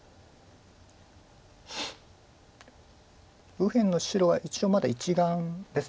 右辺の白は一応まだ１眼です。